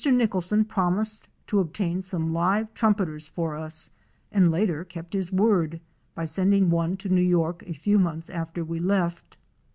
Nicholson promised to obtain some living Trumpeters for us and later kept his word by sending one to New York a few months after we left.